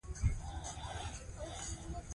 ملاله به تل یاده سوې وي.